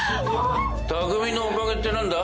匠のおかげって何だ？